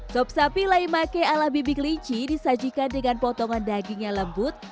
sop sapi laimake ala bibi kelinci disajikan dengan potongan daging yang lembut